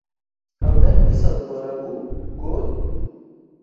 ew denga dîsa dubare bû, got: